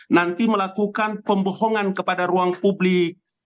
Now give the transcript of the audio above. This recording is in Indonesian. nanti melakukan pembohongan kepada ruang publik